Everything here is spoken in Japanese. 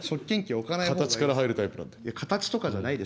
形から入るタイプなんで。